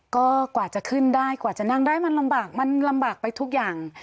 ก็กว่าจะขึ้นได้กว่าจะนั่งได้มันลำบากมันลำบากไปทุกอย่าง